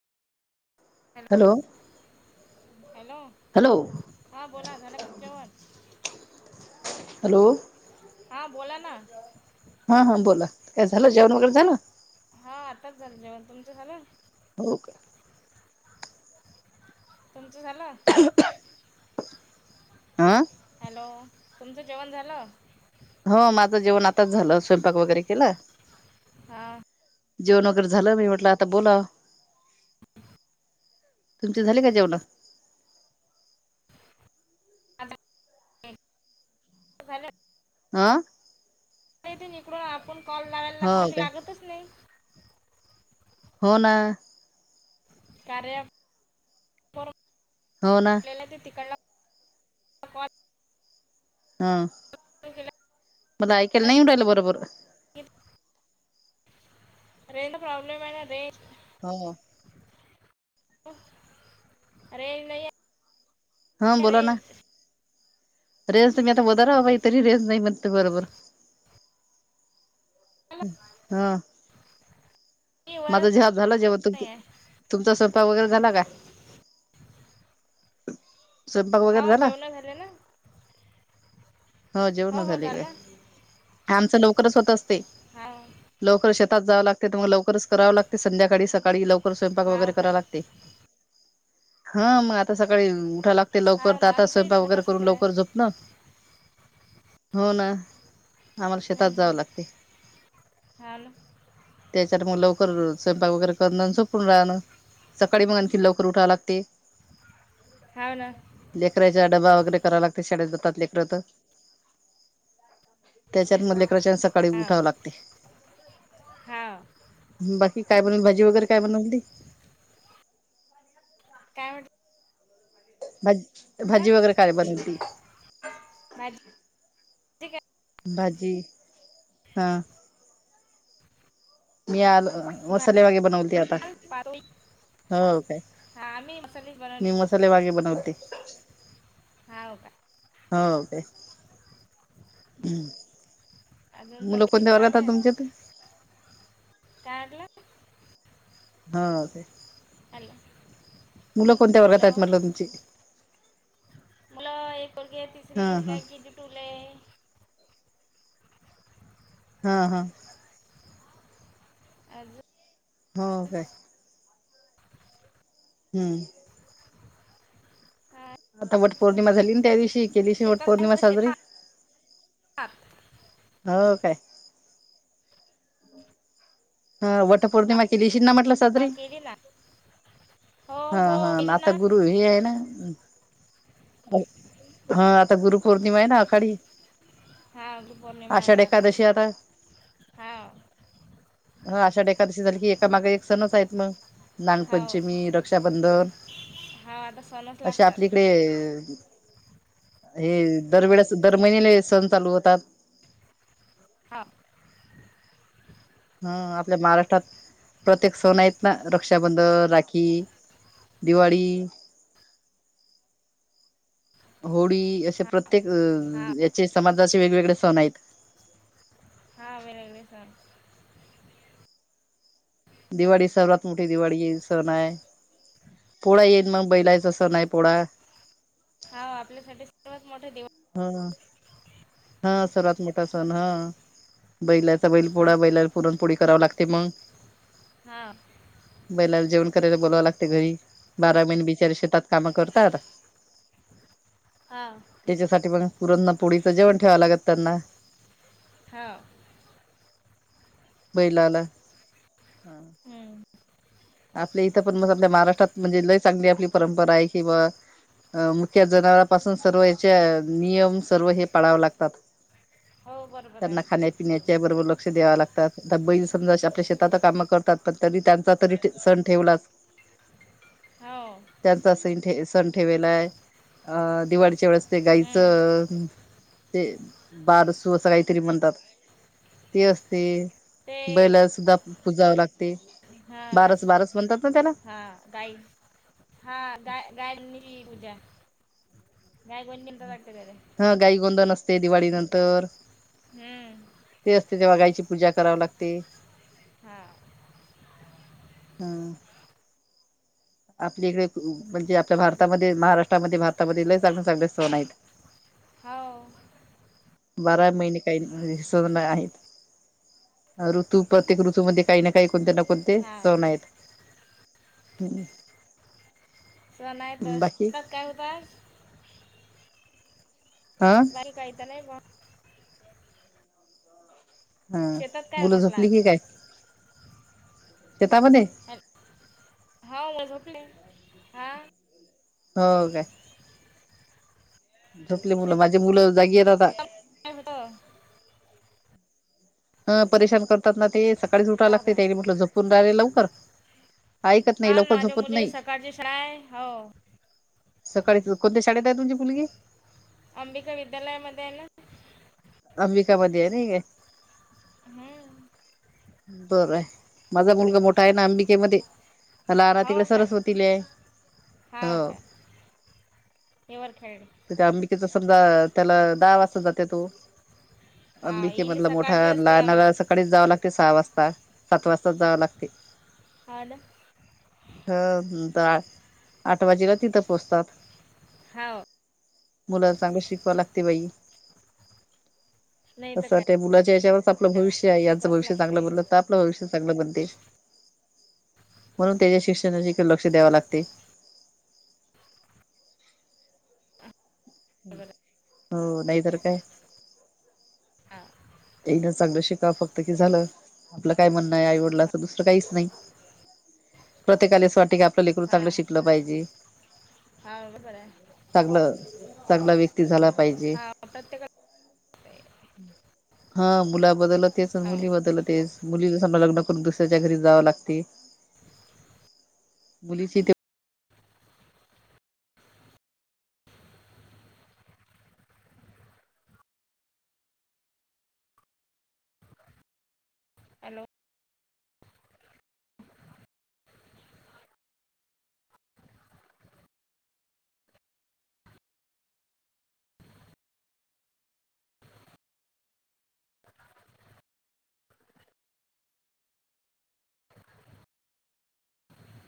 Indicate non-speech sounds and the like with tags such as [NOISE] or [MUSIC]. Hello hello? Hello हा, बोला. झाल का जेवण? हॅलो? हा, बोला ना. हा हा, बोला. काय झालं, जेवण वगैरे झालं? हा, आताच झालं जेवण, तुमचं झालं? हो का? तुमचं झालं? हा हॅलो? तुमचं जेवण झालं? हो, माझं जेवण आताच झालं, स्वयंपाक वगैरे केला हा. जेवण वगैरे झालं, मी म्हटलं आता बोला तुमच झाले का जेवण? [UNINTELLIGIBLE] [INAUDIBLE] आ इथे निकडून आपण कॉल लावायला हो लागलं की, काय लागतच नाही. हो ना. कार्या हो ना. लेला ते तिकळला हा, केला मला ऐकायला येऊन नाही राहिलं, बरोबर. [UNINTELLIGIBLE] प्रॉब्लेम आहे न रे हा. अरे नाही हा, आहे बोला ना. रेंज रेस तुम्हीता वदारा काहीतरी रेस नाही मणते बरोबर. [INAUDIBLE] हम. मी वरच माझा [UNINTELLIGIBLE] झाल जेवण नाही आहे [UNINTELLIGIBLE] तुमचा स्वयंपाक वगैरे हम्म. झाला काय? हाव, जेवण झाले ना. हो, जेवण हो झाले. झालं ना आमच लवकरच होत असते. हा. लवकरच शेतात जावं लागतय, तर मग लवकरच करावं लागतय, संध्याकाळी, सकाळी, त्यामुळे लवकर स्वयंपाक वगैरे हाव कराव काय लागतय. हा, मग आता सकाळी उठायला लागतय, लवकर हाव तर ना आता आमचं इथे स्वयंपाक घर वगैरे तसंच करून आहे लवकर झोपतो. हो ना, आम्हाला शेतात जावं लागतय. हॅलो? त्याच्यावर मग लवकर, स्वयंपाक वगैरे करणं सपून राहणं. सकाळी मग आणखी लवकर उठाव लागतय. हा ना. लेकराच्या डबा वगैरे करावा लागतय, शाळेत जात लेकरं तर. त्याच्यात मग लेकरांच्या सकाळी उठावं लागतय. हा. बाकी काय बनवल, भाजी वगैरे काय बनवली? काय [UNINTELLIGIBLE] भज भजी म्हटलं वगैरे काय बनवीती? [UNINTELLIGIBLE] भजी हा मी आल मसालेवागे बनवते आता भात पातोळी हो काय [UNINTELLIGIBLE] मी मसाले वांगे बनवते. हा ओ काय. हो काय. अजून हम्म मुलं कोणत्या तब्येती वर्गात चांगल्या आहेत तुमचे आता. काय म्हंटला? हाे काय? हॅलो! मुलं कोणत्या वर्गात आहेत म्हटलं तुमची? मुल एक पुर्गीय तिसरी हा हा काय किती टुलेय हा हा. आज हो काय? [INAUDIBLE] हम्म. हा. आता वट येत होतं पौर्णिमा का? झाली ना त्या दिवशी केलीशी वट शेतात काय पौर्णिमा होतं साजरी शेतात हो काय? ह वट पौर्णिमा केलीशी ना म्हटलं हा, साजरी? [INAUDIBLE] ह ह हो केली आता ना गुरु हे आहे ना हा आता गुरुपौर्णिमा आहे ना आखाडी हा गुरु पूर्णिमा आषाढ आता आखाडी एकादशी आता हा ह आषाढी एकादशी झाली की एका माग एक सणच आहेत मग. हो नागपंचमी हो रक्षाबंधन आता सणच अशे आपली लागतात इकडे हे दरवेळेस दर महिने ला हे सण चालू होतात. हा. हा आपल्या महाराष्ट्रात प्रत्येक सण आहेत ना रक्षाबंध राखी दिवाळी होडी अशे हा प्रत्ये हा प्रत्येक याचे समाजाचे वेगवेगळे सण आहेत. हा वेगळे वेगळे सण दिवाळी सर्वात मोठी दिवाळी सण आहे. पोळा येईन मग बैलाच सण आहे पोळा. हा आपल्या साठी सर्वात मोठा दिवाळी हा हा सर्वात मोठा सण हा. बैलाचा बैल सण पोळा बैलाला पुरणपोळी कराव लागते मग. हा बैलाला जेवण करायला बोलावं लागते घरी बारा महिने बिचारे शेतात कामं करतात. हा. त्याच्यासाठी मग पुरणना पोळीचं जेवण ठेवावं लागत त्यांना. हा. बैलाला. हूं! आपल्या इथं पण म आपल्या महाराष्ट्रात म्हणजे लय चांगली आपली परंपरा आहे किं बॉ. अ मुक्या जनावरा पाासून सर्व याच्या नियम सर्व हे पाळाव लागतात. हो बरोबर आहे त्यांना खाण्या पिण्याच्या बरोबर लक्ष द्याव लागतात, आता बैल समजा आपल्या शेतात काम करतात, पण तरी त्यांचा तरी सण ठेवला. हाव! त्यांचा सनं ठे सण ठेवेला आहे आ दिवाळीच्या वेळेस ते हम्म गाईचं. ते बारसू असं काहीतरी म्हणतात ते असते. ते बैला सुद्धा पुजावं लागते. हा बारस बारस म्हणतात ना त्याला हा गाई. हा गा गाय [UNINTELLIGIBLE] ह गाई गोंंदन असते दिवाळी नंतर. हूं! ते असते तेव्हा गाईची पूजा करावा लागते. हां! ह! आपली इकडे म्हणजे आपल्या अ- भारतामध्ये महाराष्ट्रामध्ये, भारतामध्ये लयी चांगले चांगले सण आहेत. हाव! बारा महिने काही नं सण आहेत. ऋतू प्रत्येक ऋतूमध्ये काही ना काही कोणत्यां ना कोण ते हा सण आहेत. सण नाही त बाकी शिकतात काय होतासं. ह! त्याल काही त नाही बॉ. हं शेतात काय मुलं म्हटलं झोपली की काय, शेतामध्ये? हा झोपली हा! हो काय. झोपली मुलं शेतात माझी मुलं जागी राहता. [UNINTELLIGIBLE] ह परेशान करतात ना ते सकाळीच उठा हो लागते, का त्यानी म्हटलं झोपून राहिले लवकर आईकत हेलो आजमुने सकाळची शाळा आहे, हो सकाळीच कोणत्या शाळेत आहे तुमची मुलगी? अंबिका विद्यालयामध्ये आहे ना. अंबिका मध्ये आहे नाही काय. हूं! बर आहे माझा मुलगा मोठा आहे ना अंबिकेमध्ये. लहाना हो तिकडे काय सरस्वतीले हो. हिवरखेड. त त्या अंबिकेच समजा त्याला दहा वाजता जात्यां तो. हा अंबिके येईल मधलं मोठा, सकाळची असते आम लहाना सकाळीच जावं लागते सहा वाजता सात वाजताच जावा लागते. हा न! ह दाठ आठ वाजेला तिथं पोचतात. हं! मुलाला चांगलं शिकवा लागते बाई. नाही तर असं काय त्या मुलाच्या याच्यावरच आपलं हो. भविष्य आहे यांचं शिकवाच भविष्य लागते चांगलं बोललं तर आप ''--'' आपलं भविष्य चगलं बनते म्हणून त्याच्या शिक्षणाची लक्ष द्याव लागते. बरोबर हो नाही तर काय. हा, येन चांगलं शिकाव फक्त कि झालं आपलं काय म्हणणं आहे आईवडलाचं दुसरं काहीच नाही. प्रत्येकाले अस वाट का आपलं लेकरू चांगलं शिकलं पाहिजे. हाव बरोबर आहे. चांगलं चांगला व्यक्ती झाला पाहिजे. हा प्रत्येकाला लागते हा मुला बदलतेच हाव मुली बदलतेच. मुली समजा लग्न करून दुसऱ्याच्या घरी जाव लागते मुलीची ते. हॅलो, [INAUDIBLE] [INAUDIBLE]